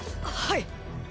はい！